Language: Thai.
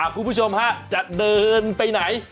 คุณผู้ชมฮะจะเดินไปไหน